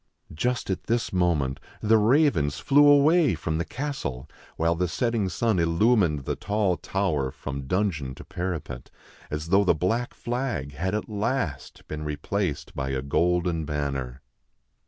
Just at this moment the ravens flew away from the castle, while the setting sun illumined the tall tower from dungeon to parapet, as though the black flag had at last been replaced by a golden banner.